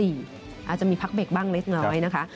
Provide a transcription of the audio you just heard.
อาจจะมีพักเบรกบ้างเล็กน้อยนะคะ